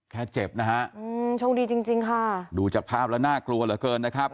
เจ็บนะฮะอืมโชคดีจริงจริงค่ะดูจากภาพแล้วน่ากลัวเหลือเกินนะครับ